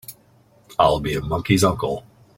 I'll be a monkey's uncle!